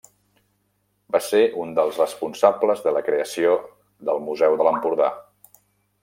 Va ser un dels responsables de la creació del Museu de l'Empordà.